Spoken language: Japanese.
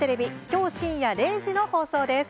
今日深夜０時の放送です。